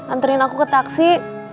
anterin aku ke taksi